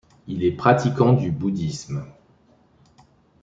Il est pratiquant du bouddhisme.